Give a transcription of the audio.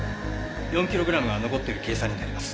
４キログラムが残っている計算になります。